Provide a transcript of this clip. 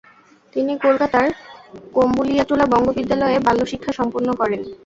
তিনি কলকাতার কম্বুলিয়াটোলা বঙ্গ বিদ্যালয়ে বাল্যশিক্ষা সম্পন্ন করেন।